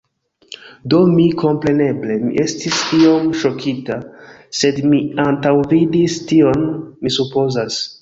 Do mi, kompreneble, mi estis iom ŝokita, sed mi antaŭvidis tion, mi supozas.